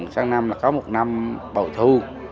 sáng năm là có một năm bội thu